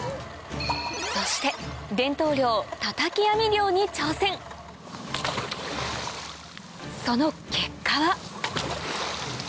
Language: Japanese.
そして伝統漁その結果は？